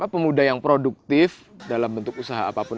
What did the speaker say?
pemuda yang produktif dalam bentuk usaha apapun